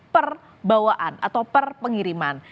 per bawaan atau per pengiriman